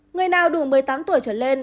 người nào đủ một mươi tám tuổi trở lên